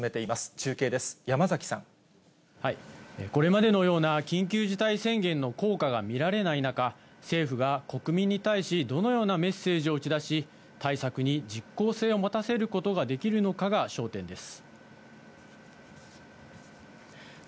中継です、これまでのような緊急事態宣言の効果が見られない中、政府が国民に対し、どのようなメッセージを打ち出し、対策に実効性を持たせることができるのかが焦点です。